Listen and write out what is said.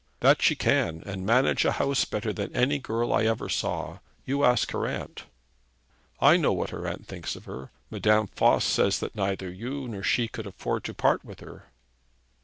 'That she can; and manage a house better than any girl I ever saw. You ask her aunt.' 'I know what her aunt thinks of her. Madame Voss says that neither you nor she can afford to part with her.'